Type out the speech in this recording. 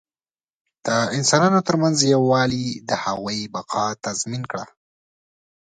د انسانانو تر منځ یووالي د هغوی بقا تضمین کړه.